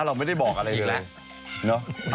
เราไม่ได้บอกอะไรเลย